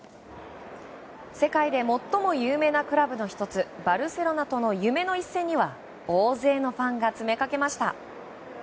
世界で最も有名なクラブの１つバルセロナとの夢の一戦には大勢のファンが詰めかけました。